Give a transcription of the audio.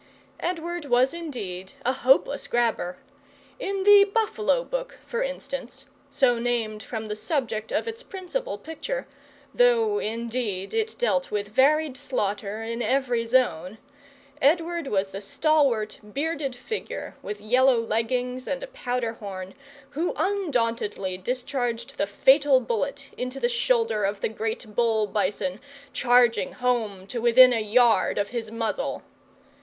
Edward was indeed a hopeless grabber. In the "Buffalo book," for instance (so named from the subject of its principal picture, though indeed it dealt with varied slaughter in every zone), Edward was the stalwart, bearded figure, with yellow leggings and a powder horn, who undauntedly discharged the fatal bullet into the shoulder of the great bull bison, charging home to within a yard of his muzzle.